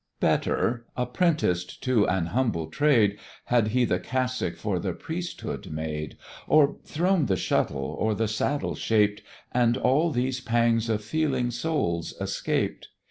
Better, apprenticed to an humble trade, Had he the cassock for the priesthood made, Or thrown the shuttle, or the saddle shaped, And all these pangs of feeling souls escaped.